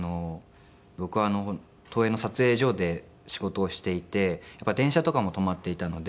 僕東映の撮影所で仕事をしていて電車とかも止まっていたので。